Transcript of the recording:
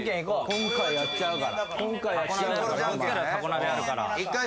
今回やっちゃうからなお前。